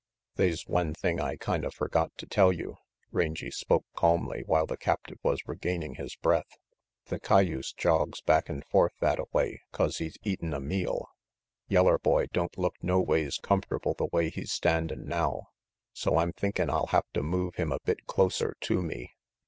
" They's one thing I kinda forgot to tell you ' Rangy spoke calmly while the captive was regaining his breath "the cayuse jogs back and forth thatta way 'cause he's eatin' a meal. Yeller boy don't look noways comfortable the way he's standin' now, so I'm thinkin' I'll hafta move him a bit closer to me."